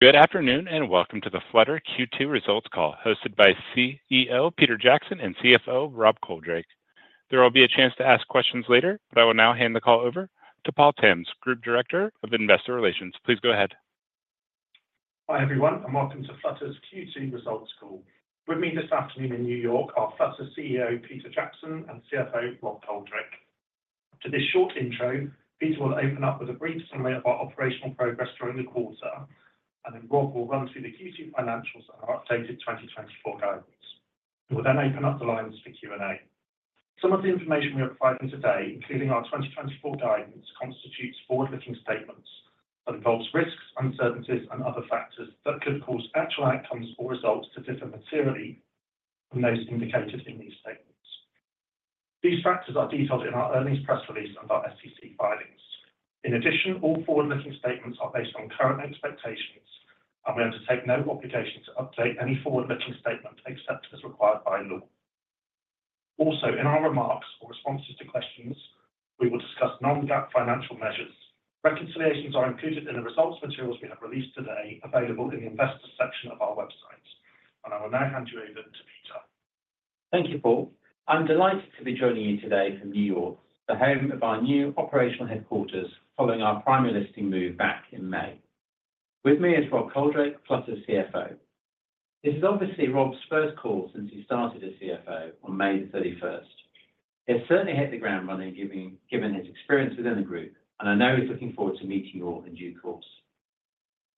Good afternoon, and welcome to the Flutter Q2 Results Call, hosted by CEO Peter Jackson and CFO Rob Coldrake. There will be a chance to ask questions later, but I will now hand the call over to Paul Tymms, Group Director of Investor Relations. Please go ahead. Hi, everyone, and welcome to Flutter's Q2 Results Call. With me this afternoon in New York are Flutter CEO, Peter Jackson, and CFO, Rob Coldrake. After this short intro, Peter will open up with a brief summary of our operational progress during the quarter, and then Rob will run through the Q2 financials and our updated 2024 guidance. We'll then open up the lines for Q and A. Some of the information we are providing today, including our 2024 guidance, constitutes forward-looking statements that involves risks, uncertainties, and other factors that could cause actual outcomes or results to differ materially from those indicated in these statements. These factors are detailed in our earnings press release and our SEC filings. In addition, all forward-looking statements are based on current expectations, and we undertake no obligation to update any forward-looking statement except as required by law. Also, in our remarks or responses to questions, we will discuss non-GAAP financial measures. Reconciliations are included in the results materials we have released today, available in the Investors section of our website. I will now hand you over to Peter. Thank you, Paul. I'm delighted to be joining you today from New York, the home of our new operational headquarters, following our primary listing move back in May. With me is Rob Coldrake, Flutter's CFO. This is obviously Rob's first call since he started as CFO on May 31st. He has certainly hit the ground running, given his experience within the group, and I know he's looking forward to meeting you all in due course.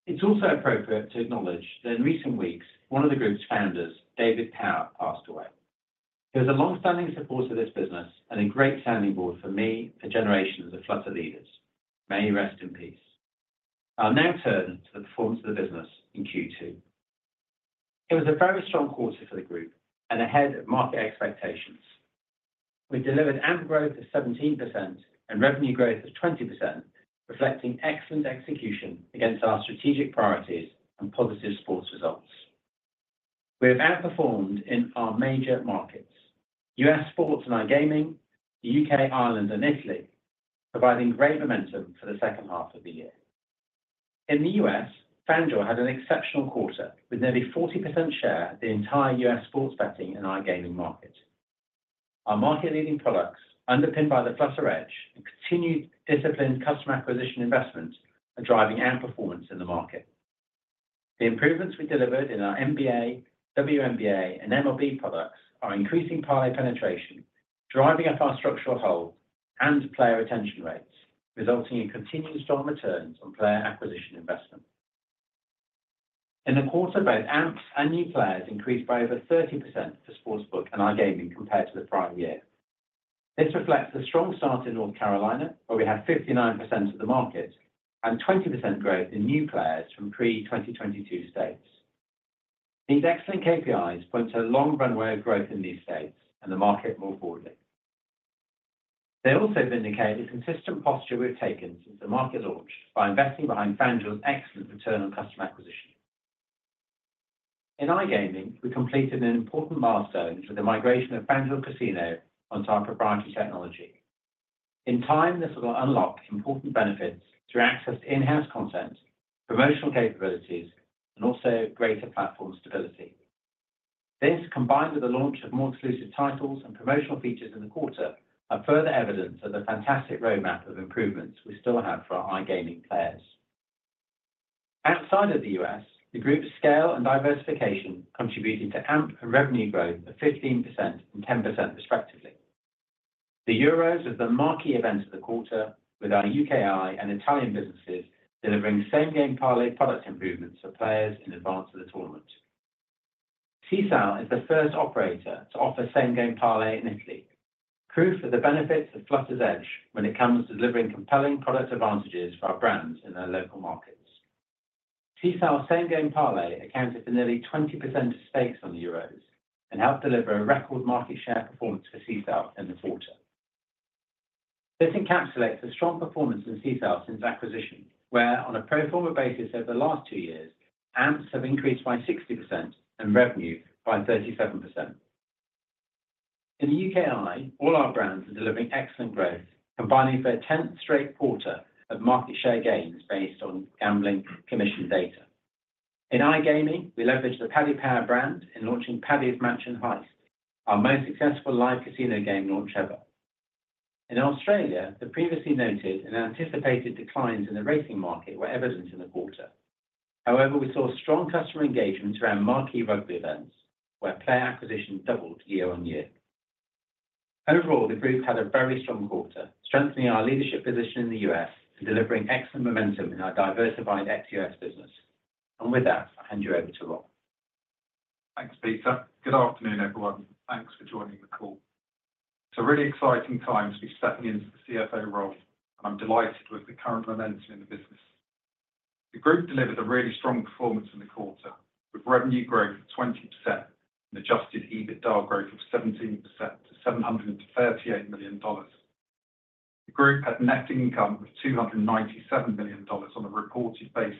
It's also appropriate to acknowledge that in recent weeks, one of the group's founders, David Power, passed away. He was a long-standing supporter of this business and a great sounding board for me and generations of Flutter leaders. May he rest in peace. I'll now turn to the performance of the business in Q2. It was a very strong quarter for the group and ahead of market expectations. We delivered AMP growth of 17% and revenue growth of 20%, reflecting excellent execution against our strategic priorities and positive sports results. We have outperformed in our major markets: U.S. sports and iGaming, U.K., Ireland, and Italy, providing great momentum for the second half of the year. In the U.S., FanDuel had an exceptional quarter, with nearly 40% share of the entire U.S. sports betting and iGaming market. Our market-leading products, underpinned by the Flutter Edge and continued disciplined customer acquisition investments, are driving our performance in the market. The improvements we delivered in our NBA, WNBA, and MLB products are increasing parlay penetration, driving up our structural hold and player retention rates, resulting in continued strong returns on player acquisition investment. In the quarter, both AMPs and new players increased by over 30% for sportsbook and iGaming compared to the prior year. This reflects a strong start in North Carolina, where we have 59% of the market and 20% growth in new players from pre-2022 states. These excellent KPIs point to a long runway of growth in these states and the market more broadly. They also indicate the consistent posture we've taken since the market launch by investing behind FanDuel's excellent return on customer acquisition. In iGaming, we completed an important milestone with the migration of FanDuel Casino onto our proprietary technology. In time, this will unlock important benefits through access to in-house content, promotional capabilities, and also greater platform stability. This, combined with the launch of more exclusive titles and promotional features in the quarter, are further evidence of the fantastic roadmap of improvements we still have for our iGaming players. Outside of the U.S., the group's scale and diversification contributed to AMP and revenue growth of 15% and 10% respectively. The Euros is the marquee event of the quarter, with our UKI, and Italian businesses delivering same-game parlay product improvements for players in advance of the tournament. Sisal is the first operator to offer same-game parlay in Italy, proof of the benefits of Flutter's Edge when it comes to delivering compelling product advantages for our brands in their local markets. Sisal same-game parlay accounted for nearly 20% of stakes on the Euros and helped deliver a record market share performance for Sisal in the quarter. This encapsulates the strong performance in Sisal since acquisition, where, on a pro forma basis over the last two years, AMPs have increased by 60% and revenue by 37%. In the UKI, all our brands are delivering excellent growth, combining for a tenth straight quarter of market share gains based on gambling commission data. In iGaming, we leveraged the Paddy Power brand in launching Paddy's Mansion Heist, our most successful live casino game launch ever. In Australia, the previously noted and anticipated declines in the racing market were evident in the quarter. However, we saw strong customer engagement around marquee rugby events, where player acquisition doubled year over year. Overall, the group had a very strong quarter, strengthening our leadership position in the U.S. and delivering excellent momentum in our diversified ex-U.S. business. With that, I'll hand you over to Rob. Thanks, Peter. Good afternoon, everyone. Thanks for joining the call. It's a really exciting time to be stepping into the CFO role, and I'm delighted with the current momentum in the business. The group delivered a really strong performance in the quarter, with revenue growth of 20% and Adjusted EBITDA growth of 17% to $738 million. The group had net income of $297 million on a reported basis,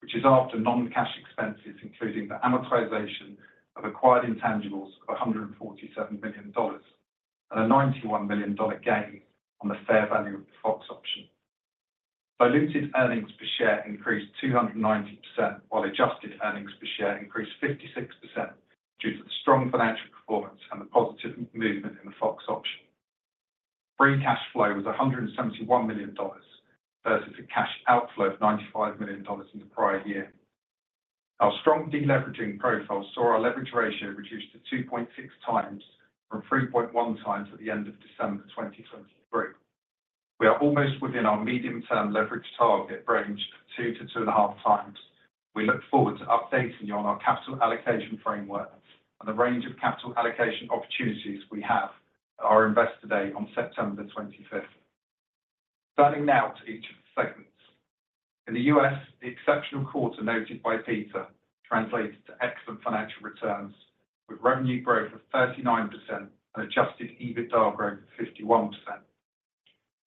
which is after non-cash expenses, including the amortization of acquired intangibles of $147 million. And a $91 million gain on the fair value of the Fox option. Diluted earnings per share increased 290%, while adjusted earnings per share increased 56%, due to the strong financial performance and the positive movement in the Fox option. Free cash flow was $171 million, versus a cash outflow of $95 million in the prior year. Our strong deleveraging profile saw our leverage ratio reduced to 2.6x, from 3.1x at the end of December 2023. We are almost within our medium-term leverage target range of 2-2.5x. We look forward to updating you on our capital allocation framework and the range of capital allocation opportunities we have at our Investor Day on September 25. Turning now to each of the segments. In the U.S., the exceptional quarter noted by Peter translated to excellent financial returns, with revenue growth of 39% and Adjusted EBITDA growth of 51%.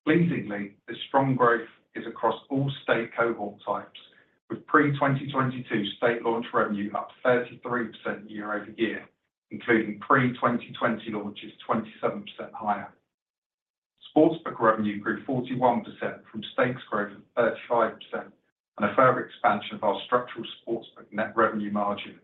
Pleasingly, this strong growth is across all state cohort types, with pre-2022 state launch revenue up 33% year over year, including pre-2020 launches, 27% higher. Sportsbook revenue grew 41%, from stakes growth of 35%, and a further expansion of our structural sportsbook net revenue margin.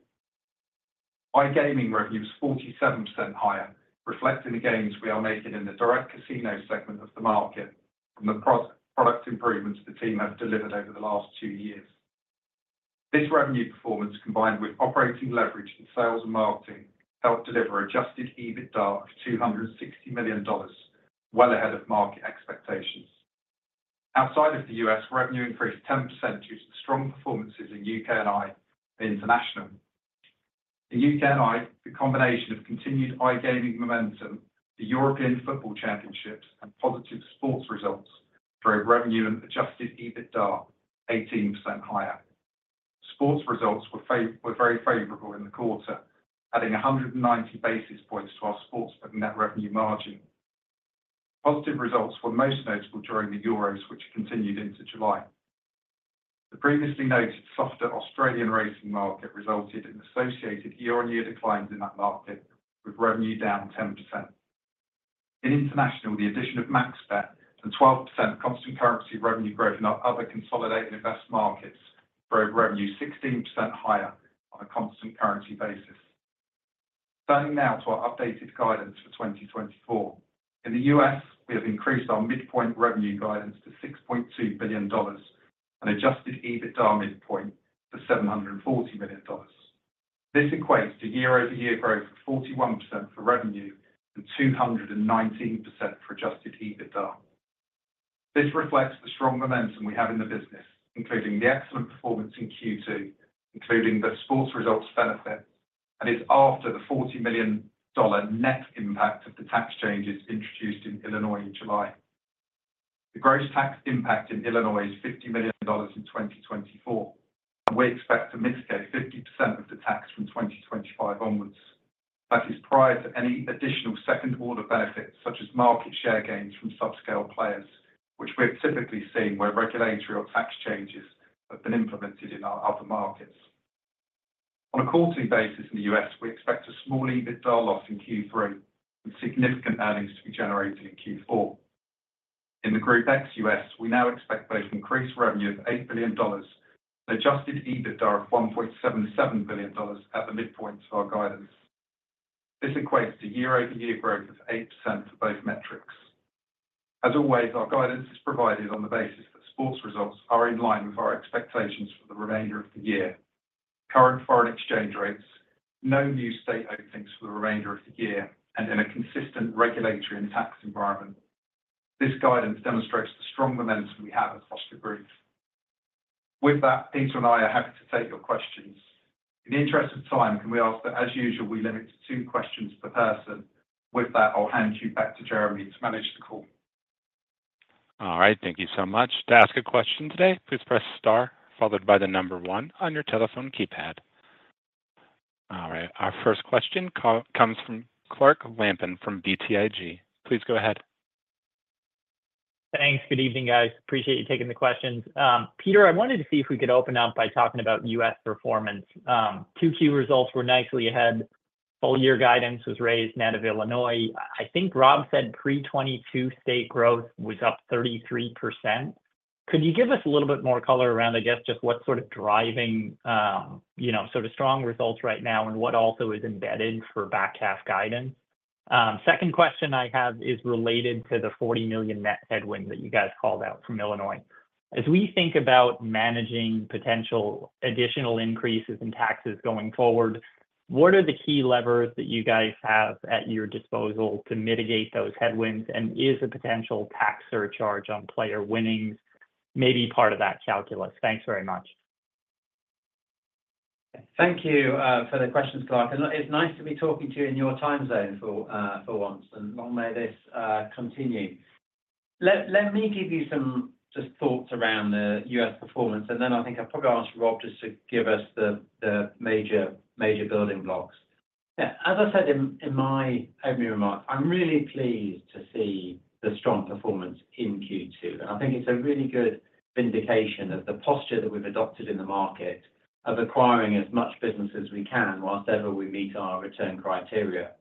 iGaming revenue is 47% higher, reflecting the gains we are making in the direct casino segment of the market, from the product improvements the team have delivered over the last two years. This revenue performance, combined with operating leverage in sales and marketing, helped deliver Adjusted EBITDA of $260 million, well ahead of market expectations. Outside of the U.S., revenue increased 10% due to the strong performances in UK and Ireland, International. In UK and Ireland, the combination of continued iGaming momentum, the European Football Championships, and positive sports results drove revenue and Adjusted EBITDA 18% higher. Sports results were were very favorable in the quarter, adding 190 basis points to our sports book net revenue margin. Positive results were most notable during the Euros, which continued into July. The previously noted softer Australian racing market resulted in associated year on year declines in that market, with revenue down 10%. In International, the addition of MaxBet and 12% constant currency revenue growth in our other consolidated investee markets, drove revenue 16% higher on a constant currency basis. Turning now to our updated guidance for 2024. In the U.S., we have increased our midpoint revenue guidance to $6.2 billion and Adjusted EBITDA midpoint to $740 million. This equates to year over year growth of 41% for revenue and 219% for Adjusted EBITDA. This reflects the strong momentum we have in the business, including the excellent performance in Q2, including the sports results benefit, and is after the $40 million net impact of the tax changes introduced in Illinois in July. The gross tax impact in Illinois is $50 million in 2024, and we expect to mitigate 50% of the tax from 2025 onwards. That is prior to any additional second-order benefits, such as market share gains from subscale players, which we have typically seen where regulatory or tax changes have been implemented in our other markets. On a quarterly basis in the U.S., we expect a small EBITDA loss in Q3, with significant earnings to be generated in Q4. In the Group ex-U.S., we now expect both increased revenue of $8 billion and Adjusted EBITDA of $1.77 billion at the midpoint of our guidance. This equates to year over year growth of 8% for both metrics. As always, our guidance is provided on the basis that sports results are in line with our expectations for the remainder of the year, current foreign exchange rates, no new state openings for the remainder of the year, and in a consistent regulatory and tax environment. This guidance demonstrates the strong momentum we have across the group. With that, Peter and I are happy to take your questions. In the interest of time, can we ask that, as usual, we limit it to two questions per person? With that, I'll hand you back to Jeremy to manage the call. All right. Thank you so much. To ask a question today, please press star, followed by the number one on your telephone keypad. All right, our first question comes from Clark Lampen from BTIG. Please go ahead. Thanks. Good evening, guys. Appreciate you taking the questions. Peter, I wanted to see if we could open up by talking about U.S. performance. Two key results were nicely ahead. Full year guidance was raised net of Illinois. I think Rob said pre-2022 state growth was up 33%. Could you give us a little bit more color around, I guess, just what sort of driving, you know, sort of strong results right now, and what also is embedded for back half guidance? Second question I have is related to the $40 million net headwind that you guys called out from Illinois. As we think about managing potential additional increases in taxes going forward, what are the key levers that you guys have at your disposal to mitigate those headwinds? And is a potential tax surcharge on player winnings may be part of that calculus? Thanks very much. Thank you, for the questions, Clark, and it's nice to be talking to you in your time zone for, for once, and long may this, continue. Let, let me give you some just thoughts around the U.S. performance, and then I think I'll probably ask Rob just to give us the, the major, major building blocks. Yeah, as I said in, in my opening remarks, I'm really pleased to see the strong performance in Q2. And I think it's a really good vindication of the posture that we've adopted in the market of acquiring as much business as we can whilst ever we meet our return criteria.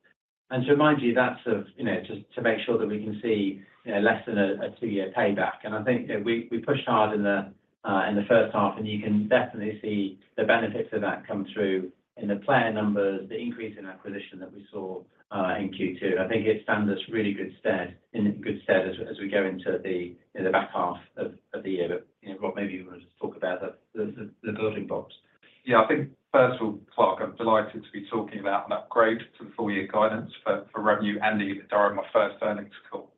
And to remind you, that's of, you know, just to make sure that we can see, you know, less than a two-year payback. And I think that we pushed hard in the first half, and you can definitely see the benefits of that come through in the player numbers, the increase in acquisition that we saw in Q2. I think it stands us really good stead, in good stead as we go into the back half of the year. But, you know, Rob, maybe you want to just talk about the building blocks. Yeah, I think first of all, Clark, I'm delighted to be talking about an upgrade to the full-year guidance for revenue and EBITDA in my first earnings call.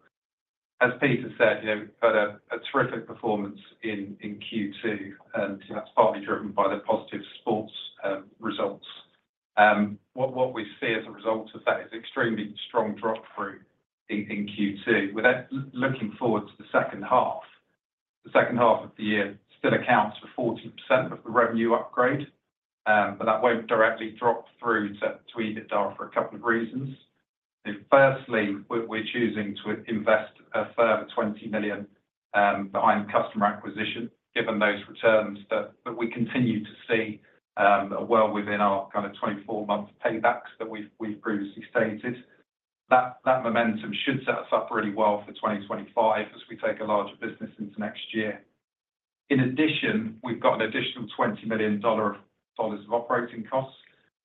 As Peter said, you know, we've had a terrific performance in Q2, and that's partly driven by the positive sports results. What we see as a result of that is extremely strong drop through in Q2. Without looking forward to the second half, the second half of the year still accounts for 40% of the revenue upgrade, but that won't directly drop through to EBITDA for a couple of reasons. Firstly, we're choosing to invest a further $20 million behind customer acquisition, given those returns that we continue to see, well within our kind of 24-month paybacks that we've previously stated. That, that momentum should set us up really well for 2025 as we take a larger business into next year. In addition, we've got an additional $20 million of operating costs,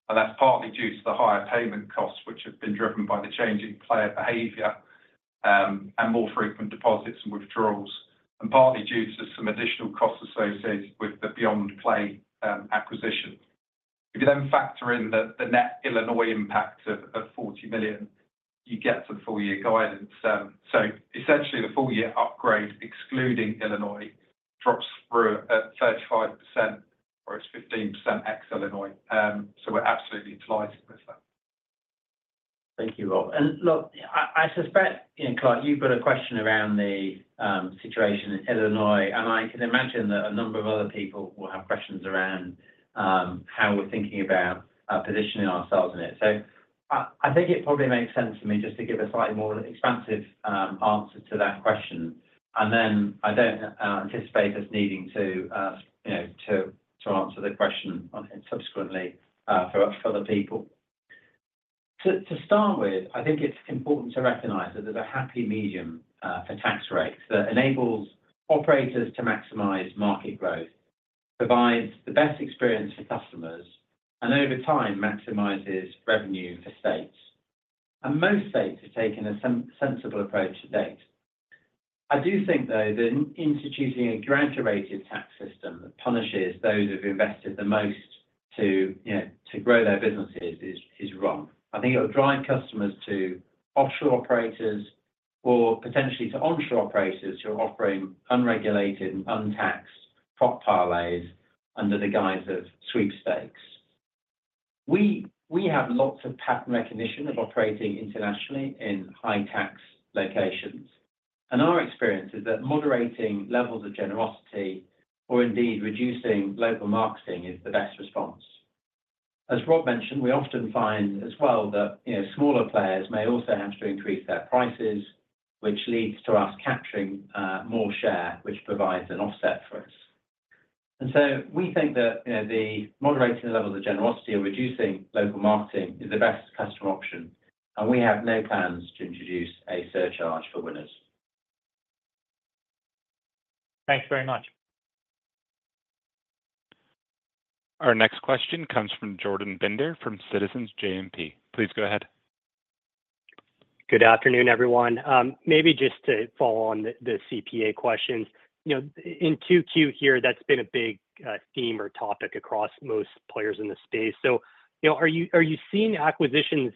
and that's partly due to the higher payment costs, which have been driven by the change in player behavior, and more frequent deposits and withdrawals, and partly due to some additional costs associated with the BeyondPlay acquisition. If you then factor in the net Illinois impact of $40 million, you get to the full year guidance. So essentially, the full year upgrade, excluding Illinois, drops through at 35%, or it's 15% ex Illinois. So we're absolutely delighted with that. Thank you, Rob. And look, I suspect, you know, Clark, you've got a question around the situation in Illinois, and I can imagine that a number of other people will have questions around how we're thinking about positioning ourselves in it. So I think it probably makes sense for me just to give a slightly more expansive answer to that question. And then I don't anticipate us needing to, you know, to answer the question on it subsequently for other people. To start with, I think it's important to recognize that there's a happy medium for tax rates that enables operators to maximize market growth, provides the best experience for customers, and over time, maximizes revenue for states. And most states have taken a sensible approach to date. I do think, though, that instituting a graduated tax system that punishes those who've invested the most to, you know, to grow their businesses is wrong. I think it'll drive customers to offshore operators or potentially to onshore operators who are offering unregulated and untaxed prop parlays under the guise of sweepstakes. We have lots of pattern recognition of operating internationally in high tax locations, and our experience is that moderating levels of generosity, or indeed reducing local marketing, is the best response. As Rob mentioned, we often find as well that, you know, smaller players may also have to increase their prices, which leads to us capturing more share, which provides an offset for us. So we think that, you know, the moderating level of generosity and reducing local marketing is the best customer option, and we have no plans to introduce a surcharge for winners. Thanks very much. Our next question comes from Jordan Bender from Citizens JMP. Please go ahead. Good afternoon, everyone. Maybe just to follow on the CPA questions. You know, in Q2 here, that's been a big theme or topic across most players in the space. So, you know, are you seeing acquisition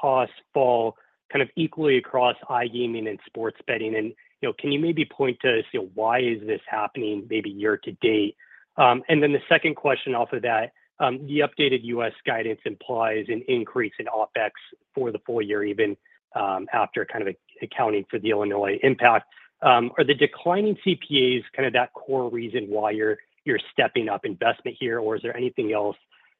costs fall kind of equally across iGaming and sports betting? And, you know, can you maybe point to us why this is happening maybe year to date? And then the second question off of that, the updated U.S. guidance implies an increase in OpEx for the full year, even after kind of accounting for the Illinois impact. Are the declining CPAs kind of that core reason why you're stepping up investment here, or is there anything else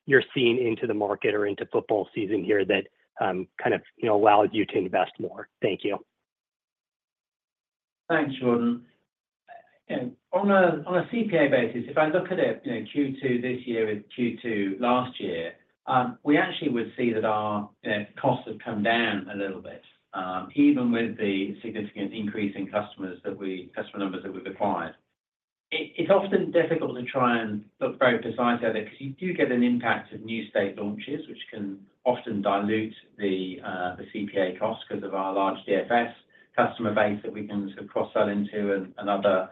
you're seeing into the market or into football season here that kind of allows you to invest more? Thank you. Thanks, Jordan. On a CPA basis, if I look at it, you know, Q2 this year with Q2 last year, we actually would see that our, you know, costs have come down a little bit, even with the significant increase in customers that we, customer numbers that we've acquired. It's often difficult to try and look very precise at it, because you do get an impact of new state launches, which can often dilute the CPA cost because of our large DFS customer base that we can sort of cross-sell into and other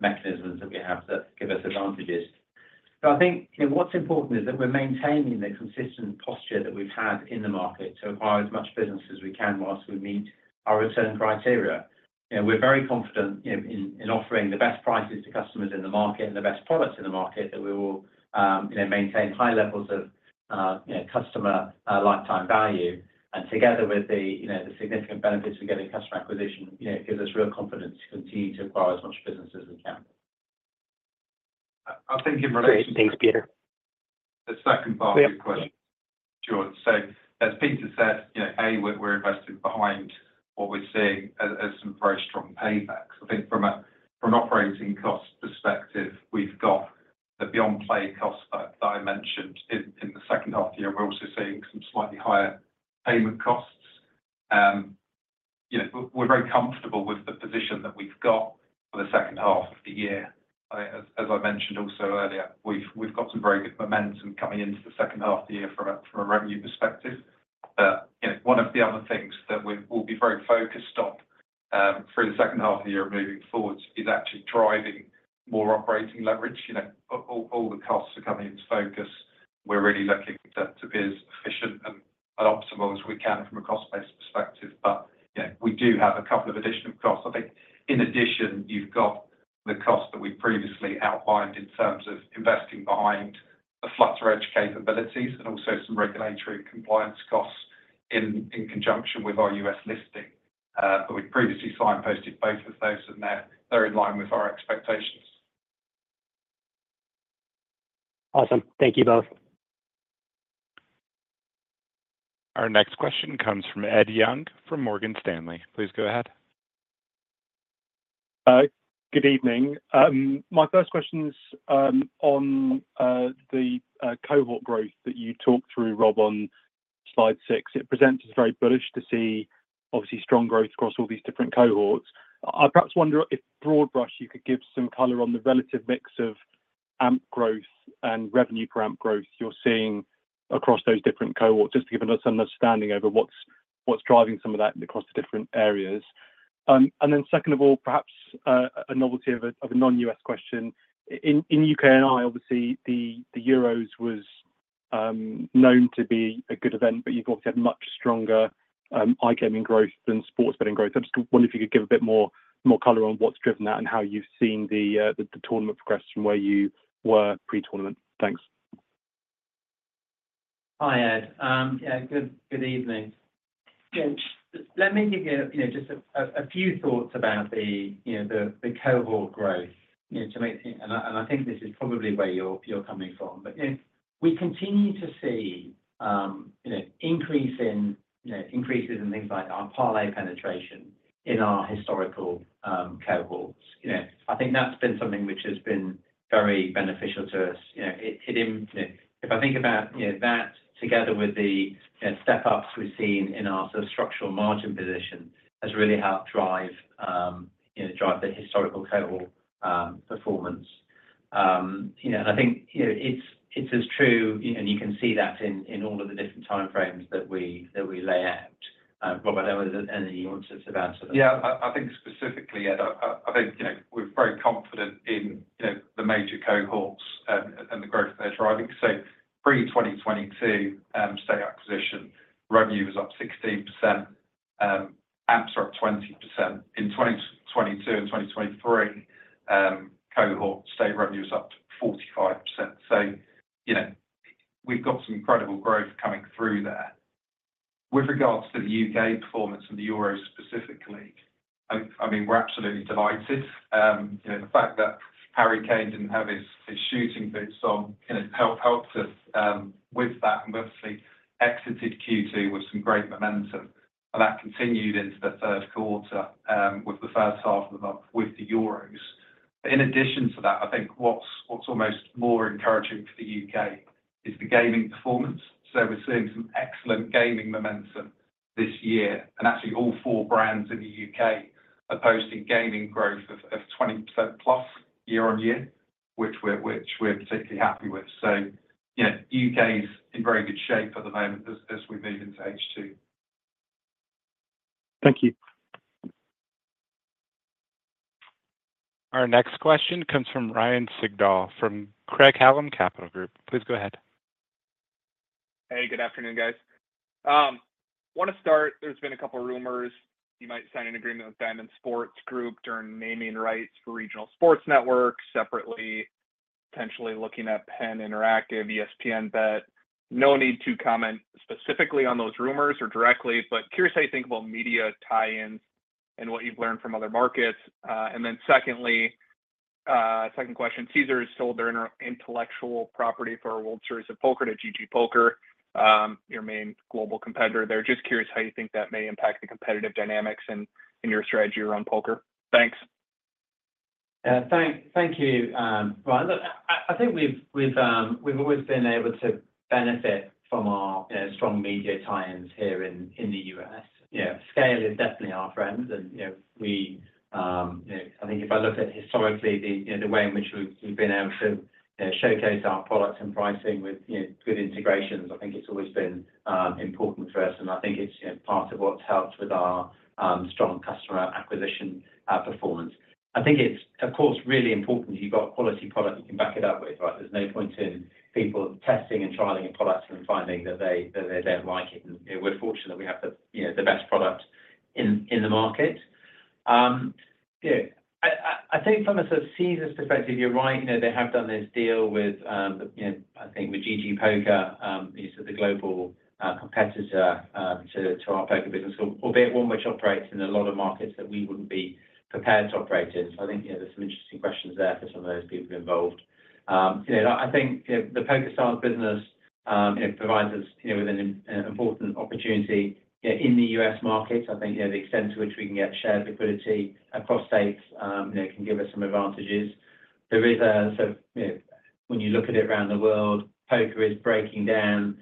mechanisms that we have that give us advantages. So I think, you know, what's important is that we're maintaining the consistent posture that we've had in the market to acquire as much business as we can whilst we meet our return criteria. And we're very confident, you know, in offering the best prices to customers in the market and the best products in the market that we will, you know, maintain high levels of, you know, customer lifetime value. And together with the, you know, the significant benefits we get in customer acquisition, you know, it gives us real confidence to continue to acquire as much business as we can. I think in relation. Great. Thanks, Peter. The second part of your question. Sure. So as Peter said, you know, we're investing behind what we're seeing as some very strong paybacks. I think from an operating cost perspective, we've got the BeyondPlay cost that I mentioned in the second half of the year. We're also seeing some slightly higher payment costs. You know, we're very comfortable with the position that we've got for the second half of the year. I, as I mentioned also earlier, we've got some very good momentum coming into the second half of the year from a revenue perspective. You know, one of the other things that we will be very focused on through the second half of the year moving forward is actually driving more operating leverage. You know, all the costs are coming into focus. We're really looking to be as efficient and optimal as we can from a cost base perspective, but, you know, we do have a couple of additional costs. I think in addition, you've got the cost that we previously outlined in terms of investing behind the Flutter Edge capabilities and also some regulatory compliance costs in conjunction with our U.S. listing. But we previously signposted both of those, and they're in line with our expectations. Awesome. Thank you both. Our next question comes from Ed Young, from Morgan Stanley. Please go ahead. Good evening. My first question is on the cohort growth that you talked through, Rob, on Slide 6. It presents as very bullish to see obviously strong growth across all these different cohorts. I perhaps wonder if broad brush, you could give some color on the relative mix of AMP growth and revenue per AMP growth you're seeing across those different cohorts, just to give us an understanding over what's driving some of that across the different areas. And then second of all, perhaps a novelty of a non-U.S. question. In U.K. and Ireland, obviously, the Euros was known to be a good event, but you've obviously had much stronger iGaming growth than sports betting growth. I just wonder if you could give a bit more color on what's driven that and how you've seen the tournament progress from where you were pre-tournament. Thanks. Hi, Ed. Yeah, good evening. Yeah, let me give you, you know, just a few thoughts about the cohort growth, you know, to make things, and I think this is probably where you're coming from. But, you know, we continue to see increase in increases in things like our parlay penetration in our historical cohorts. You know, I think that's been something which has been very beneficial to us. You know, it, if I think about that together with the step ups we've seen in our sort of structural margin position, has really helped drive the historical cohort performance. You know, and I think, you know, it's true, you know, and you can see that in all of the different time frames that we lay out. Rob, I don't know whether there any nuances about it. Yeah, I think specifically, Ed, you know, we're very confident in, you know, the major cohorts and the growth they're driving. So pre-2022 state acquisition revenue is up 16%, amps are up 20%. In 2022 and 2023, cohort state revenue is up to 45%. So, you know, we've got some incredible growth coming through there. With regards to the U.K. performance and the Euros specifically, I mean, we're absolutely delighted. You know, the fact that Harry Kane didn't have his shooting boots on, you know, helped us with that, and we obviously exited Q2 with some great momentum, and that continued into the third quarter with the first half of the month with the Euros. But in addition to that, I think what's almost more encouraging for the U.K. is the gaming performance. So we're seeing some excellent gaming momentum this year, and actually all four brands in the U.K. are posting gaming growth of 20% plus year on year, which we're particularly happy with. So, you know, U.K. is in very good shape at the moment as we move into H2. Thank you. Our next question comes from Ryan Sigdahl, from Craig-Hallum Capital Group. Please go ahead. Hey, good afternoon, guys. I wanna start, there's been a couple rumors you might sign an agreement with Diamond Sports Group during naming rights for regional sports networks, separately, potentially looking at Penn Interactive, ESPN BET. No need to comment specifically on those rumors or directly, but curious how you think about media tie-ins and what you've learned from other markets. And then secondly, second question, Caesars sold their intellectual property for World Series of Poker to GGPoker, your main global competitor. Just curious how you think that may impact the competitive dynamics and, and your strategy around poker. Thanks. Thank you, Ryan. Look, I think we've always been able to benefit from our, you know, strong media tie-ins here in the U.S. Yeah. Scale is definitely our friend and, you know, we, you know, I think if I look at historically the, you know, the way in which we've been able to showcase our products and pricing with, you know, good integrations, I think it's always been important for us, and I think it's, you know, part of what's helped with our strong customer acquisition performance. I think it's, of course, really important you've got a quality product you can back it up with, right? There's no point in people testing and trialing a product and finding that they don't like it. You know, we're fortunate that we have the, you know, the best product in the market. Yeah, I think from a sort of Caesars perspective, you're right. You know, they have done this deal with, you know, I think with GG Poker, it's the global competitor to our poker business, albeit one which operates in a lot of markets that we wouldn't be prepared to operate in. So I think, you know, there's some interesting questions there for some of those people involved. You know, I think, you know, the PokerStars business, it provides us, you know, with an important opportunity in the US market. I think, you know, the extent to which we can get shared liquidity across states, you know, can give us some advantages. There is, so, you know, when you look at it around the world, poker is breaking down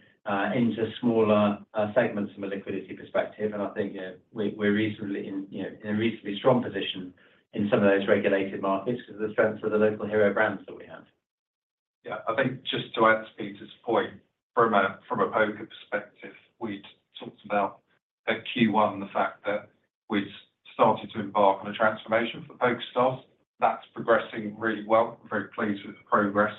into smaller segments from a liquidity perspective, and I think, we’re reasonably in, you know, in a reasonably strong position in some of those regulated markets because of the strength of the local hero brands that we have. Yeah, I think just to add to Peter's point, from a poker perspective, we talked about at Q1, the fact that we'd started to embark on a transformation for PokerStars. That's progressing really well, very pleased with the progress,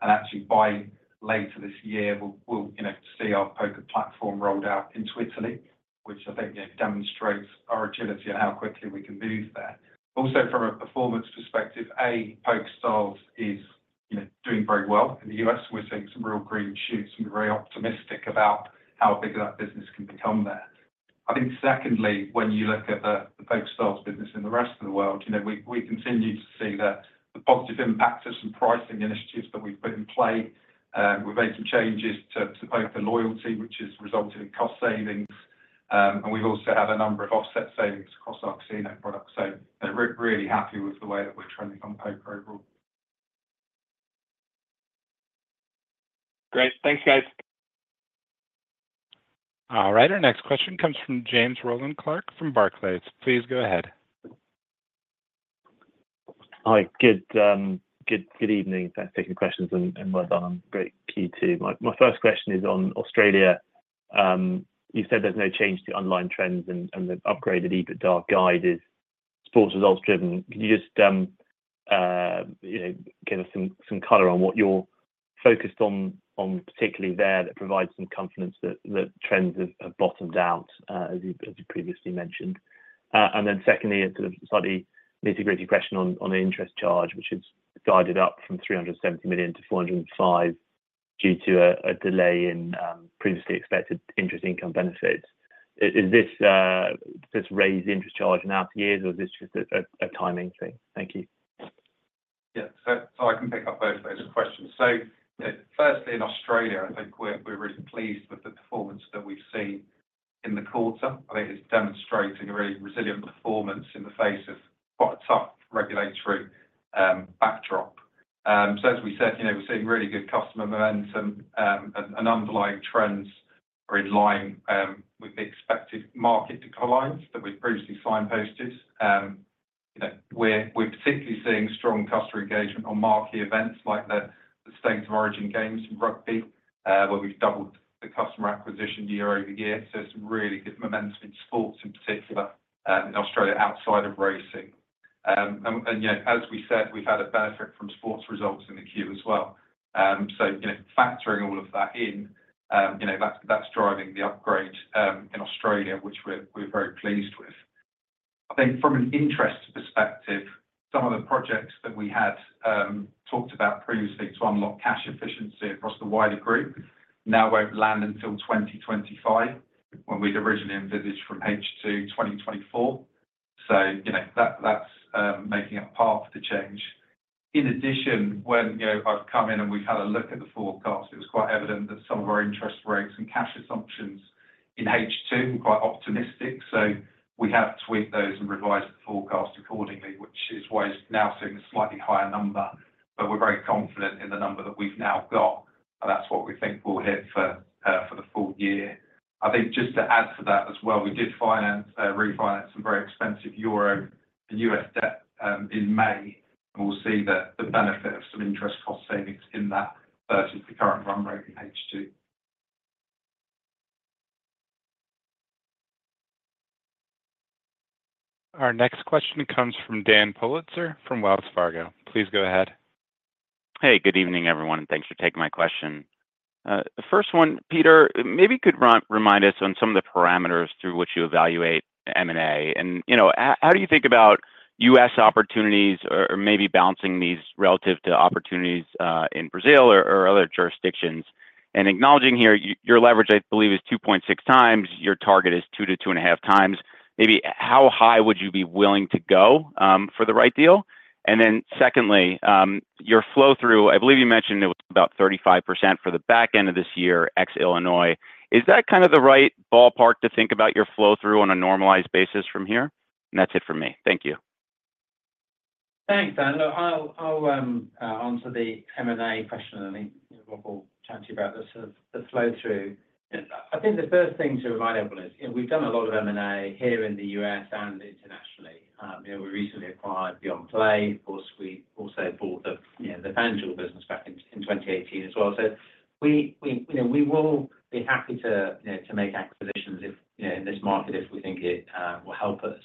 and actually by later this year, we'll, you know, see our poker platform rolled out into Italy, which I think, you know, demonstrates our agility and how quickly we can move there. Also, from a performance perspective, PokerStars is, you know, doing very well. In the U.S., we're seeing some real green shoots, and we're very optimistic about how big that business can become there. I think secondly, when you look at the PokerStars business in the rest of the world, you know, we continue to see the positive impact of some pricing initiatives that we've put in play. We've made some changes to poker loyalty, which has resulted in cost savings, and we've also had a number of offset savings across our casino products. So we're really happy with the way that we're trending on poker overall. Great. Thanks, guys. All right, our next question comes from James Rowland Clark from Barclays. Please go ahead. Hi, good evening. Thanks for taking questions and well done on great Q2. My first question is on Australia. You said there's no change to online trends, and the upgraded EBITDA guide is sports results driven. Can you just, you know, give us some color on what you're focused on particularly there that provides some confidence that trends have bottomed out, as you previously mentioned? And then secondly, a sort of slightly nitty-gritty question on the interest charge, which is guided up from $370 million to $405 million due to a delay in previously expected interest income benefits. Is this, does this raise the interest charge in out years, or is this just a timing thing? Thank you. Yeah, so I can pick up both those questions. So, you know, firstly, in Australia, I think we're really pleased with the performance that we've seen in the quarter. I think it's demonstrating a really resilient performance in the face of quite a tough regulatory backdrop. So as we said, you know, we're seeing really good customer momentum, and underlying trends are in line with the expected market declines that we've previously signposted. You know, we're particularly seeing strong customer engagement on marquee events like the State of Origin games in rugby, where we've doubled the customer acquisition year over year. So some really good momentum in sports, in particular, in Australia, outside of racing. And, you know, as we said, we've had a benefit from sports results in the Q as well. So, you know, factoring all of that in, you know, that's driving the upgrade in Australia, which we're very pleased with. I think from an interest perspective, some of the projects that we had talked about previously to unlock cash efficiency across the wider group now won't land until 2025, when we'd originally envisaged from H2 2024. So, you know, that's making up half the change. In addition, when you know I've come in and we've had a look at the forecast, it was quite evident that some of our interest rates and cash assumptions in H2 were quite optimistic. So we have tweaked those and revised the forecast accordingly, which is why it's now seeing a slightly higher number. But we're very confident in the number that we've now got, and that's what we think we'll hit for the full year. I think just to add to that as well, we did refinance some very expensive Euro and U.S. debt in May, and we'll see the benefit of some interest cost savings in that versus the current run rate in H2. Our next question comes from Dan Politzer from Wells Fargo. Please go ahead. Hey, good evening, everyone, and thanks for taking my question. The first one, Peter, maybe you could remind us on some of the parameters through which you evaluate M&A, and, you know, how do you think about U.S. opportunities or maybe balancing these relative to opportunities in Brazil or other jurisdictions? And acknowledging here, your leverage, I believe, is 2.6 times, your target is 2 to 2.5 times. Maybe how high would you be willing to go for the right deal? And then secondly, your flow-through, I believe you mentioned it was about 35% for the back end of this year, ex Illinois. Is that kind of the right ballpark to think about your flow-through on a normalized basis from here? And that's it for me. Thank you. Thanks, Dan. Look, I'll answer the M&A question, and then, you know, Rob will chat to you about the sort of the flow-through. I think the first thing to remind everyone is, you know, we've done a lot of M&A here in the U.S. and internationally. You know, we recently acquired BeyondPlay, of course, we also bought the, you know, the FanDuel business back in 2018 as well. So we, you know, we will be happy to, you know, to make acquisitions if, you know, in this market if we think it will help us.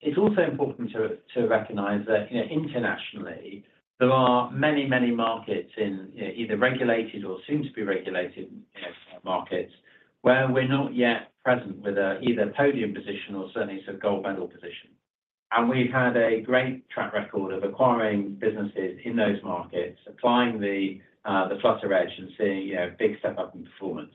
It's also important to recognize that, you know, internationally, there are many, many markets in, you know, either regulated or soon-to-be-regulated, you know, markets, where we're not yet present with either a podium position or certainly some gold medal position. We've had a great track record of acquiring businesses in those markets, applying the Flutter Edge, and seeing, you know, big step-up in performance.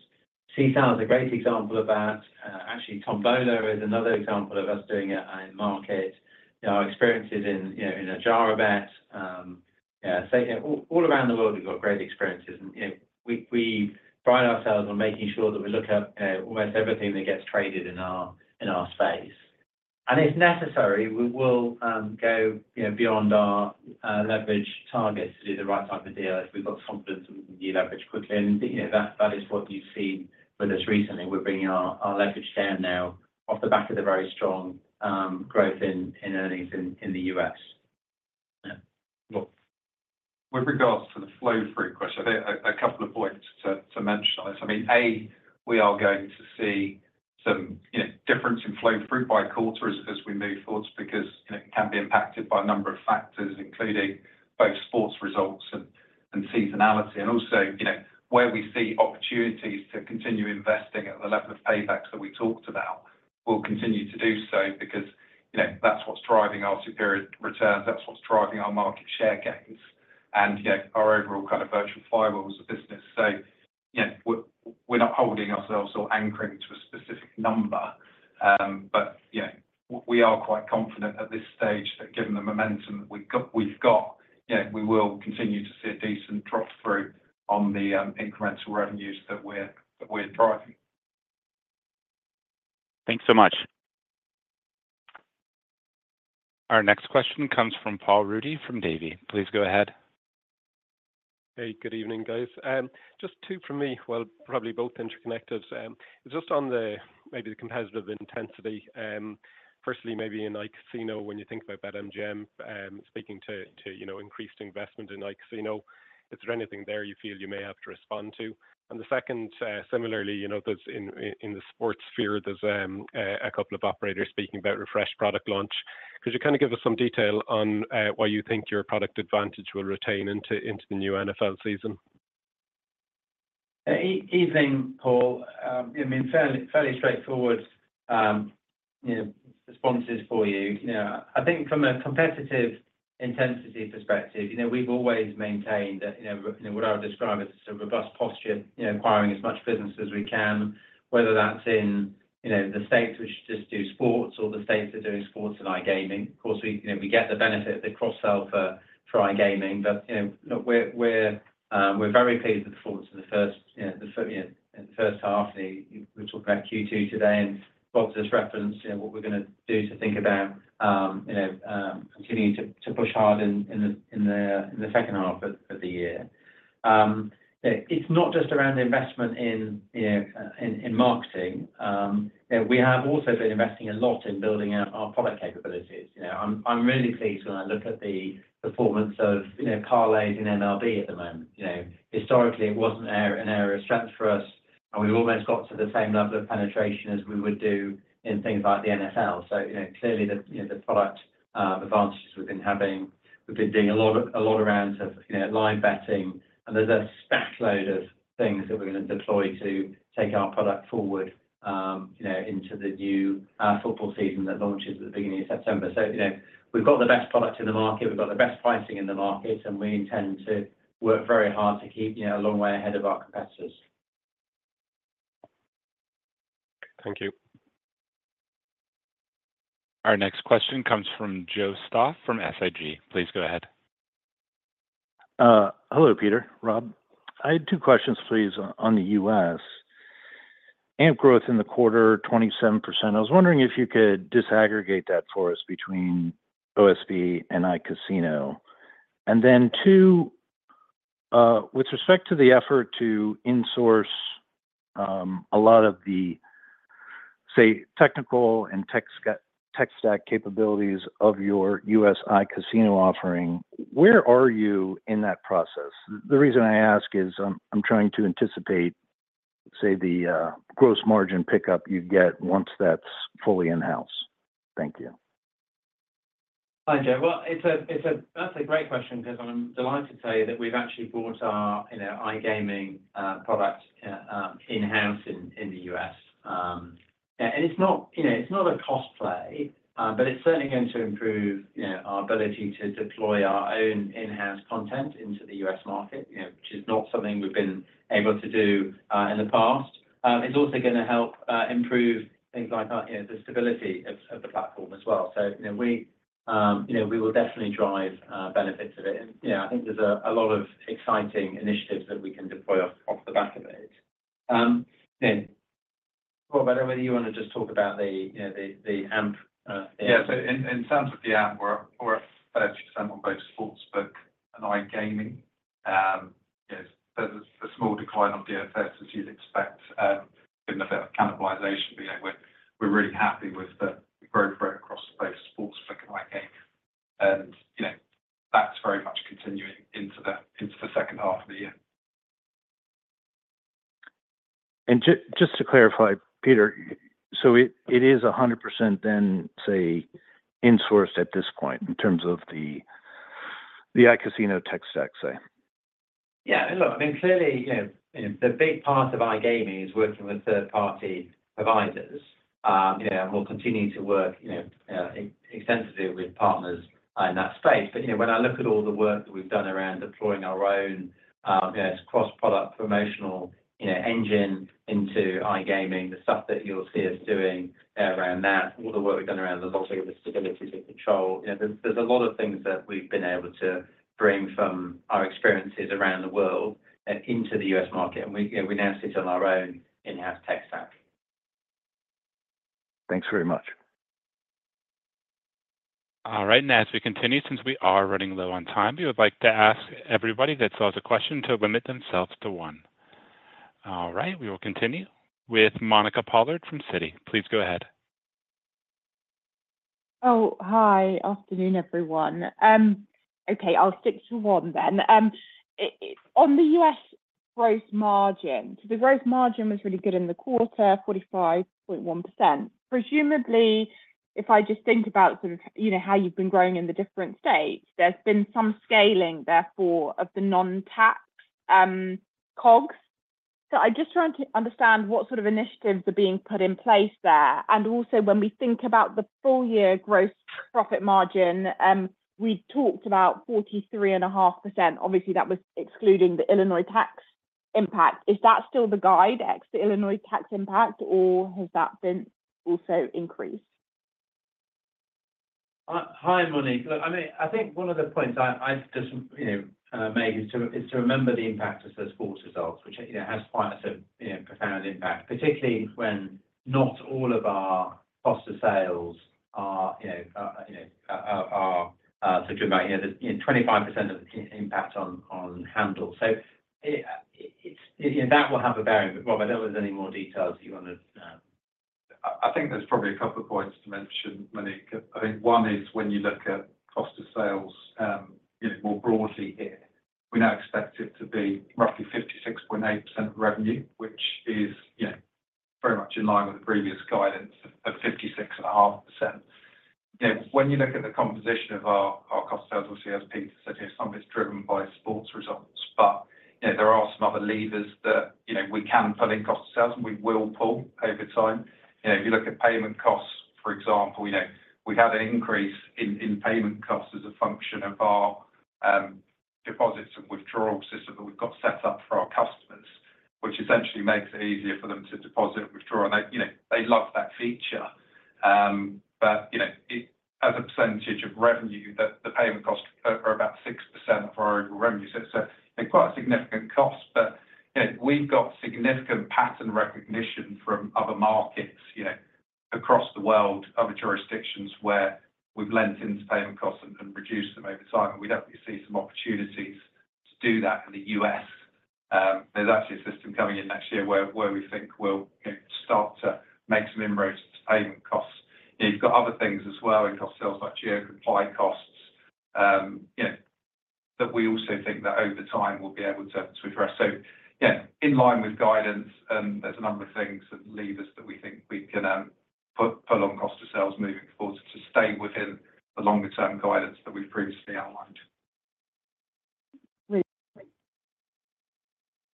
Sisal is a great example of that. Actually, Tombola is another example of us doing it in market. Our experiences in, you know, in Adjarabet. Yeah, so all around the world, we've got great experiences and, you know, we pride ourselves on making sure that we look at almost everything that gets traded in our space. And if necessary, we will go, you know, beyond our leverage targets to do the right type of deal if we've got confidence in de-leverage quickly. And, you know, that is what you've seen with us recently. We're bringing our leverage down now off the back of the very strong growth in earnings in the U.S. Yeah. Well, with regards to the flow-through question, I think a couple of points to mention on this. I mean, A, we are going to see some, you know, difference in flow through by quarter as we move forward, because it can be impacted by a number of factors, including both sports results and seasonality. And also, you know, where we see opportunities to continue investing at the level of paybacks that we talked about, we'll continue to do so because, you know, that's what's driving our superior returns, that's what's driving our market share gains and, you know, our overall kind of virtual firewalls of business. So, you know, we're not holding ourselves or anchoring to a specific number, but, yeah, we are quite confident at this stage that given the momentum that we've got, you know, we will continue to see a decent drop through on the incremental revenues that we're driving. Thanks so much. Our next question comes from Paul Ruddy, from Davy. Please go ahead. Hey, good evening, guys. Just two for me, well, probably both interconnected. Just on the competitive intensity, maybe firstly, maybe in iCasino, when you think about BetMGM, speaking to, you know, increased investment in iCasino, is there anything there you feel you may have to respond to? And the second, similarly, you know, there's in the sports sphere, a couple of operators speaking about refreshed product launch. Could you kinda give us some detail on why you think your product advantage will retain into the new NFL season? Evening, Paul. I mean, fairly straightforward, you know, responses for you. You know, I think from a competitive intensity perspective, you know, we've always maintained that, you know, what I would describe as a robust posture, you know, acquiring as much business as we can, whether that's in, you know, the states which just do sports or the states are doing sports and iGaming. Of course, we, you know, we get the benefit of the cross-sell for iGaming, but, you know, we're very pleased with the performance of the first, you know, the first half. We talked about Q2 today, and Rob just referenced, you know, what we're gonna do to think about, you know, continuing to push hard in the second half of the year. It's not just around investment in, you know, in marketing. We have also been investing a lot in building out our product capabilities. You know, I'm really pleased when I look at the performance of, you know, Parlay in MLB at the moment. You know, historically, it wasn't an area of strength for us, and we've almost got to the same level of penetration as we would do in things like the NFL. So, you know, clearly the, you know, the product advantages we've been having, we've been doing a lot, a lot around of, you know, live betting, and there's a stack load of things that we're gonna deploy to take our product forward, you know, into the new football season that launches at the beginning of September. You know, we've got the best product in the market, we've got the best pricing in the market, and we intend to work very hard to keep, you know, a long way ahead of our competitors. Thank you. Our next question comes from Joseph Stauff, from SIG. Please go ahead. Hello, Peter, Rob. I had two questions, please, on the U.S. AMP growth in the quarter, 27%. I was wondering if you could disaggregate that for us between OSB and iCasino. And then, two, with respect to the effort to insource a lot of the, say, technical and tech stack capabilities of your U.S. iCasino offering, where are you in that process? The reason I ask is I'm trying to anticipate, say, the gross margin pickup you'd get once that's fully in-house. Thank you. Hi, Jed. Well, that's a great question because I'm delighted to tell you that we've actually brought our, you know, iGaming product in-house in the U.S. And it's not, you know, it's not a cost play, but it's certainly going to improve, you know, our ability to deploy our own in-house content into the US market, you know, which is not something we've been able to do in the past. It's also gonna help improve things like our, you know, the stability of the platform as well. So, you know, we will definitely drive benefits of it. And, you know, I think there's a lot of exciting initiatives that we can deploy off the back of it. Then, Rob, I don't know whether you want to just talk about the, you know, AMP, Yeah, so in terms of the AMP, we're up 30% on both Sportsbook and iGaming. Yes, there's a small decline on DFS, as you'd expect, given the bit of cannibalization, but you know, we're really happy with the growth rate across the space, Sportsbook and iGaming. And you know, that's very much continuing into the second half of the year. Just to clarify, Peter, so it, it is 100% then, say, insourced at this point in terms of the, the iCasino tech stack, say? Yeah. Look, I mean, clearly, you know, the big part of iGaming is working with third-party providers. You know, and we'll continue to work, you know, extensively with partners in that space. But, you know, when I look at all the work that we've done around deploying our own. You know, it's cross-product promotional, you know, engine into iGaming, the stuff that you'll see us doing around that. All the work we've done around the visibility to control. You know, there's, there's a lot of things that we've been able to bring from our experiences around the world and into the U.S. market, and we, and we now sit on our own in-house tech stack. Thanks very much. All right, and as we continue, since we are running low on time, we would like to ask everybody that has a question to limit themselves to one. All right, we will continue with Monique Pollard from Citi. Please go ahead. Oh, hi. Afternoon, everyone. Okay, I'll stick to one then. On the U.S. gross margin, so the gross margin was really good in the quarter, 45.1%. Presumably, if I just think about sort of, you know, how you've been growing in the different states, there's been some scaling, therefore, of the non-tax costs. So I'm just trying to understand what sort of initiatives are being put in place there. And also, when we think about the full year gross profit margin, we talked about 43.5%. Obviously, that was excluding the Illinois tax impact. Is that still the guide, ex the Illinois tax impact, or has that been also increased? Hi, Monica. I mean, I think one of the points I, I just, you know, make is to, is to remember the impact of the sports results, which, you know, has quite a, you know, profound impact, particularly when not all of our cost of sales are, you know, you know, are, are such a good amount. You know, 25% of the impact on, on handle. So it, it, you know, that will have a bearing. But Rob, I don't know if there's any more details you want to I think there's probably a couple of points to mention, Monica. I think one is when you look at cost of sales, you know, more broadly here, we now expect it to be roughly 56.8% of revenue, which is, you know, very much in line with the previous guidance of 56.5%. You know, when you look at the composition of our cost of sales, obviously, as Peter said, some of it's driven by sports results, but, you know, there are some other levers that, you know, we can pull in cost of sales, and we will pull over time. You know, if you look at payment costs, for example, you know, we had an increase in payment costs as a function of our deposits and withdrawal system that we've got set up for our customers, which essentially makes it easier for them to deposit and withdraw. And they, you know, they love that feature. But, you know, it, as a percentage of revenue, the payment costs are about 6% of our overall revenue. So quite a significant cost, but, you know, we've got significant pattern recognition from other markets, you know, across the world, other jurisdictions where we've lent into payment costs and reduced them over time, and we definitely see some opportunities to do that in the U.S. There's actually a system coming in next year where we think we'll, you know, start to make some inroads to payment costs. You've got other things as well in cost of sales, like GeoComply costs, you know, that we also think that over time we'll be able to address. So yeah, in line with guidance, there's a number of things that, levers that we think we can pull on cost of sales moving forward to stay within the longer-term guidance that we've previously outlined.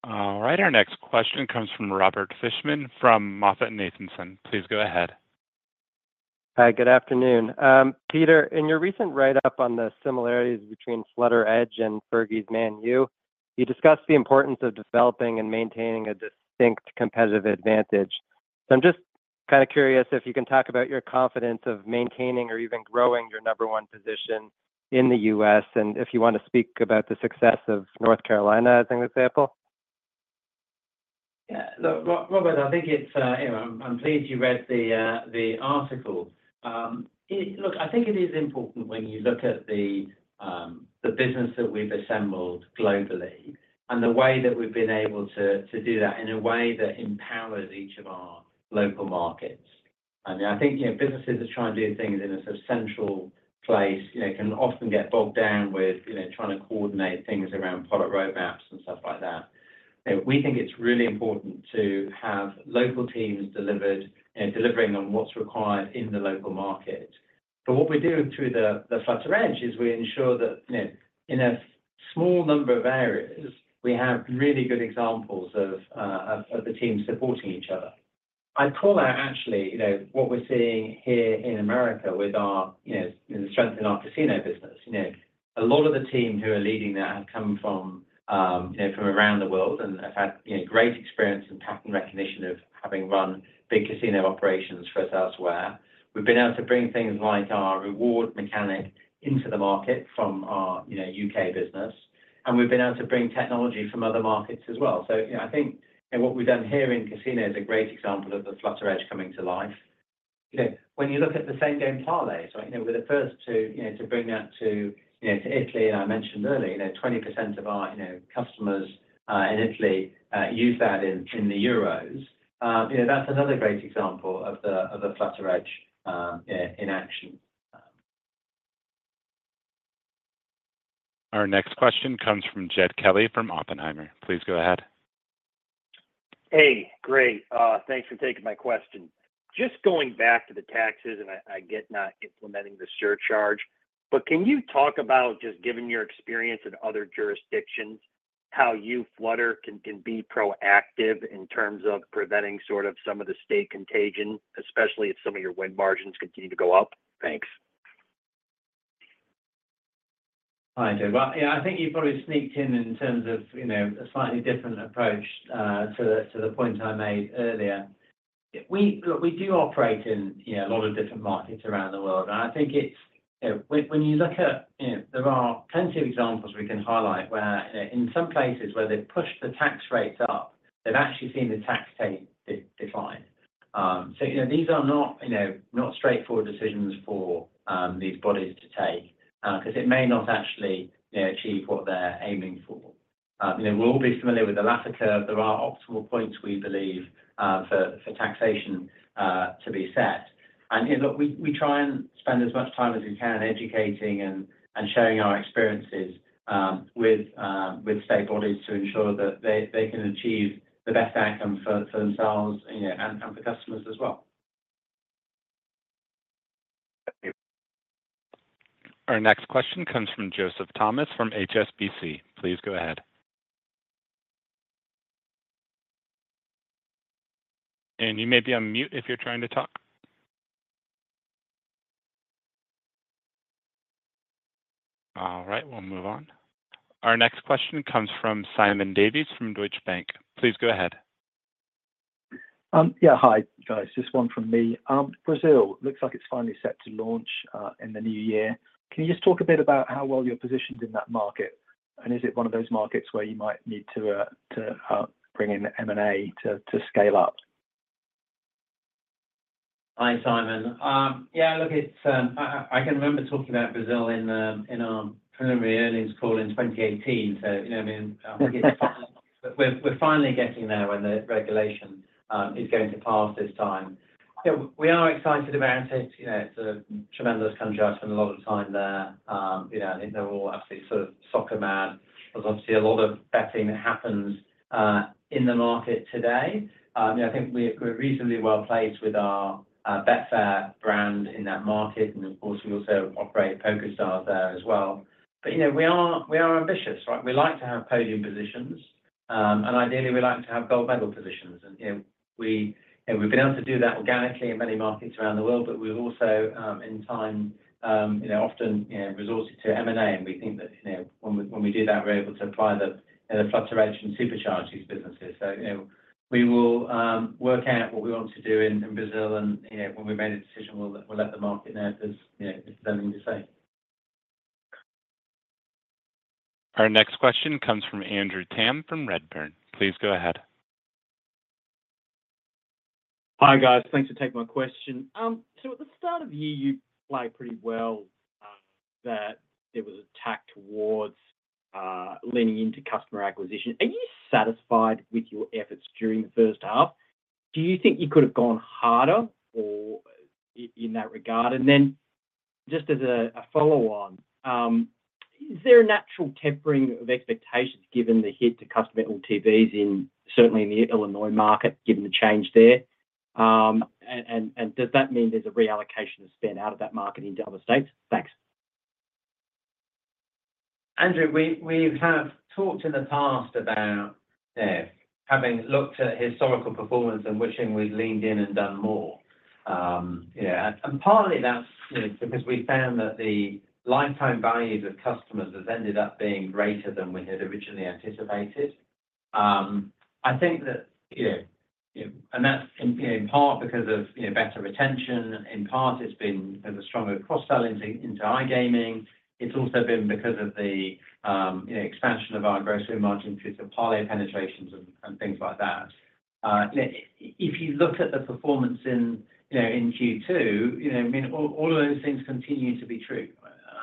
All right, our next question comes from Robert Fishman from MoffettNathanson. Please go ahead. Hi, good afternoon. Peter, in your recent write-up on the similarities between Flutter Edge and Fergie's Man U, you discussed the importance of developing and maintaining a distinct competitive advantage. I'm just kinda curious if you can talk about your confidence of maintaining or even growing your number one position in the U.S., and if you want to speak about the success of North Carolina as an example. Yeah. Look, Rob, Robert, I think it's, you know, I'm pleased you read the article. It, look, I think it is important when you look at the business that we've assembled globally and the way that we've been able to, to do that in a way that empowers each of our local markets. I mean, I think, you know, businesses that try and do things in a sort of central place, you know, can often get bogged down with, you know, trying to coordinate things around product roadmaps and stuff like that. We think it's really important to have local teams delivered, delivering on what's required in the local market. But what we do through the Flutter Edge is we ensure that, you know, in a small number of areas, we have really good examples of the team supporting each other. I'd call out actually, you know, what we're seeing here in America with our, you know, the strength in our casino business. You know, a lot of the team who are leading that have come from, you know, from around the world and have had, you know, great experience and pattern recognition of having run big casino operations for us elsewhere. We've been able to bring things like our reward mechanic into the market from our, you know, U.K. business, and we've been able to bring technology from other markets as well. So, you know, I think what we've done here in casino is a great example of the Flutter Edge coming to life. You know, when you look at the Same Game Parlay, so, you know, we're the first to, you know, to bring that to, you know, to Italy, and I mentioned earlier, you know, 20% of our, you know, customers in Italy use that in the Euros. You know, that's another great example of the Flutter Edge in action. Our next question comes from Jed Kelly from Oppenheimer. Please go ahead. Hey, great. Thanks for taking my question. Just going back to the taxes, and I, I get not implementing the surcharge, but can you talk about, just given your experience in other jurisdictions, how you, Flutter, can, can be proactive in terms of preventing sort of some of the state contagion, especially if some of your win margins continue to go up? Thanks. Hi, Joe. Well, yeah, I think you've probably sneaked in, in terms of, you know, a slightly different approach to the point I made earlier. We, look, we do operate in, you know, a lot of different markets around the world, and I think it's, you know, when, when you look at, you know, there are plenty of examples we can highlight where, in some places where they've pushed the tax rates up, they've actually seen the tax take decline. So, you know, these are not, you know, not straightforward decisions for these bodies to take, because it may not actually, you know, achieve what they're aiming for. You know, we're all familiar with the Laffer curve. There are optimal points we believe for taxation to be set. You know, look, we try and spend as much time as we can educating and sharing our experiences with state bodies to ensure that they can achieve the best outcome for themselves, you know, and for customers as well. Our next question comes from Joseph Thomas, from HSBC. Please go ahead. You may be on mute if you're trying to talk. All right, we'll move on. Our next question comes from Simon Davies from Deutsche Bank. Please go ahead. Yeah, hi, guys. Just one from me. Brazil looks like it's finally set to launch in the new year. Can you just talk a bit about how well you're positioned in that market? And is it one of those markets where you might need to bring in M&A to scale up? Hi, Simon. Yeah, look, it's, I can remember talking about Brazil in the, in our preliminary earnings call in 2018. So, you know what I mean, but we're finally getting there, when the regulation is going to pass this time. So we are excited about it. You know, it's a tremendous country. I spent a lot of time there. You know, I think they're all absolutely sort of soccer mad. There's obviously a lot of betting that happens in the market today. You know, I think we're reasonably well-placed with our Betfair brand in that market, and of course, we also operate PokerStars there as well. But, you know, we are ambitious, right? We like to have podium positions. And ideally, we like to have gold medal positions. You know, we've been able to do that organically in many markets around the world, but we've also, in time, you know, often, resorted to M&A. We think that, you know, when we, when we do that, we're able to apply the, you know, the Flutter Edge and supercharge these businesses. You know, we will work out what we want to do in Brazil, and, you know, when we've made a decision, we'll, we'll let the market know, because, you know, there's nothing to say. Our next question comes from Andrew Tam from Redburn. Please go ahead. Hi, guys. Thanks for taking my question. So at the start of the year, you played pretty well that there was a tack towards leaning into customer acquisition. Are you satisfied with your efforts during the first half? Do you think you could have gone harder or in that regard? And then, just as a follow-on, is there a natural tempering of expectations, given the hit to customer LTVs in, certainly in the Illinois market, given the change there? And does that mean there's a reallocation of spend out of that market into other states? Thanks. Andrew, we have talked in the past about having looked at historical performance and wishing we'd leaned in and done more. Yeah, and partly that's, you know, because we found that the lifetime values of customers has ended up being greater than we had originally anticipated. I think that, you know, and that's in part because of, you know, better retention. In part, it's been a stronger cross-sell into iGaming. It's also been because of the, you know, expansion of our gross margin due to parlay penetration and things like that. If you look at the performance in Q2, you know, I mean, all of those things continue to be true.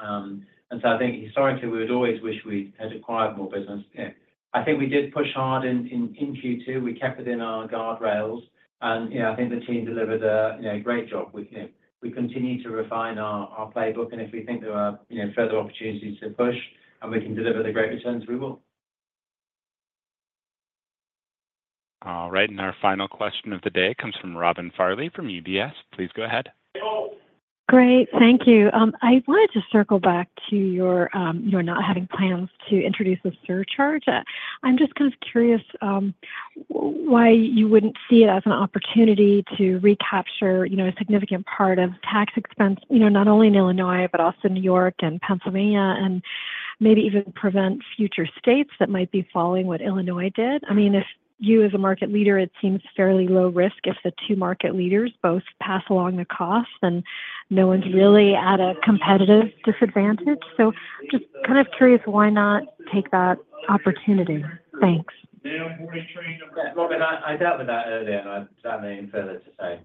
And so I think historically, we would always wish we had acquired more business. You know, I think we did push hard in Q2. We kept it in our guardrails and, you know, I think the team delivered a, you know, great job. We, you know, we continue to refine our, our playbook, and if we think there are, you know, further opportunities to push and we can deliver the great returns, we will. All right, and our final question of the day comes from Robin Farley, from UBS. Please go ahead. Great. Thank you. I wanted to circle back to your, your not having plans to introduce a surcharge. I'm just kind of curious, why you wouldn't see it as an opportunity to recapture, you know, a significant part of tax expense, you know, not only in Illinois, but also New York and Pennsylvania, and maybe even prevent future states that might be following what Illinois did. I mean, if you, as a market leader, it seems fairly low risk if the two market leaders both pass along the cost, then no one's really at a competitive disadvantage. So just kind of curious, why not take that opportunity? Thanks. Robin, I dealt with that earlier, and I don't have anything further to say.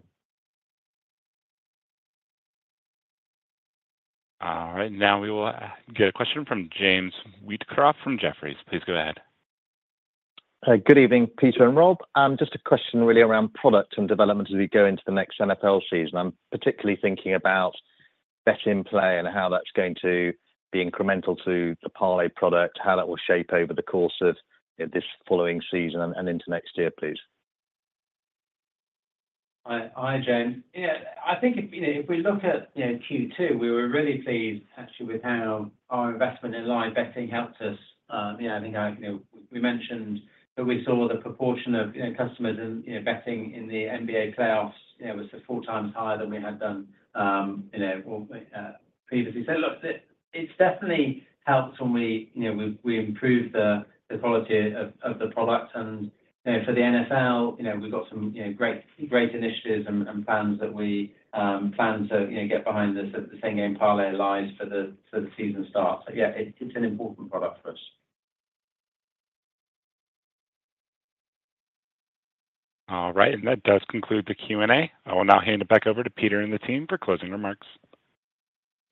All right, now we will get a question from James Wheatcroft from Jefferies. Please go ahead. Hi. Good evening, Peter and Rob. Just a question really around product and development as we go into the next NFL season. I'm particularly thinking about bet in play and how that's going to be incremental to the parlay product, how that will shape over the course of, you know, this following season and into next year, please. Hi, James. Yeah, I think if, you know, if we look at, you know, Q2, we were really pleased actually with how our investment in live betting helped us. Yeah, I think, you know, we mentioned that we saw the proportion of, you know, customers and, you know, betting in the NBA playoffs, you know, was four times higher than we had done previously. So look, it definitely helps when we, you know, we improve the quality of the product. And, you know, for the NFL, you know, we've got some, you know, great, great initiatives and plans that we plan to, you know, get behind the Same Game Parlay Plus for the season start. So yeah, it is an important product for us. All right, and that does conclude the Q and A. I will now hand it back over to Peter and the team for closing remarks.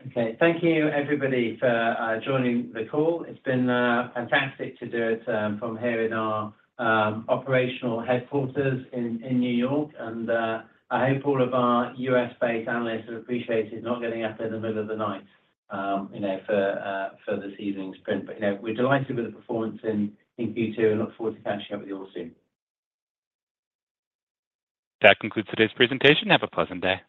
Okay, thank you, everybody, for joining the call. It's been fantastic to do it from here in our operational headquarters in New York. I hope all of our U.S. based analysts have appreciated not getting up in the middle of the night, you know, for this evening's sprint. But, you know, we're delighted with the performance in Q2 and look forward to catching up with you all soon. That concludes today's presentation. Have a pleasant day.